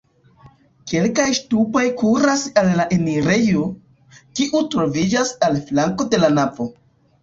Kelkaj ŝtupoj kuras al la enirejo, kiu troviĝas en flanko de la navo.